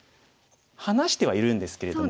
離してはいるんですけれども。